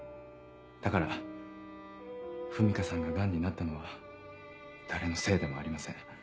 だから文香さんがガンになったのは誰のせいでもありません。